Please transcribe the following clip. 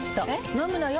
飲むのよ。